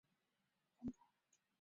毕业于黄埔第十六期。